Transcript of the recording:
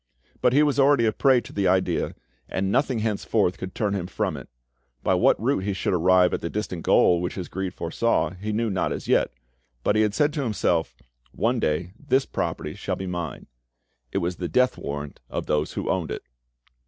But he was already a prey to the idea, and nothing henceforth could turn him from it. By what route he should arrive at the distant goal which his greed foresaw, he knew not as yet, but he had said to himself, "One day this property shall be mine." It was the death warrant of those who owned it.